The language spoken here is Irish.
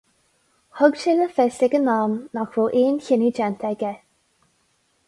Thug sé le fios ag an am nach raibh aon chinneadh déanta aige